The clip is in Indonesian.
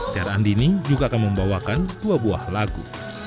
tiara andini juga akan membawakan dua buah lagu